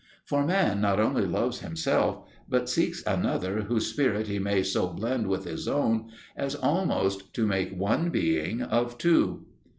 For man not only loves himself, but seeks another whose spirit he may so blend with his own as almost to make one being of two.